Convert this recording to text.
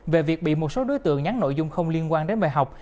về việc bị một số đối tượng nhắn nội dung không liên quan đến bài học